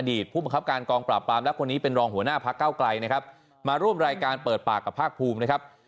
ผู้บังคับการกองปราบปรามและคนนี้เป็นรองหัวหน้าพักเก้าไกลนะครับมาร่วมรายการเปิดปากกับภาคภูมินะครับ